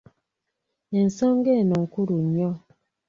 Ensonga eno nkulu nnyo.